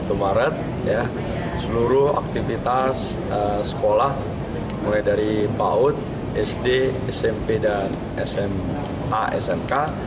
satu maret seluruh aktivitas sekolah mulai dari paud sd smp dan sma smk